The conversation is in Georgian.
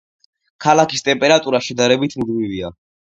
ქალაქის ტემპერატურა შედარებით მუდმივია.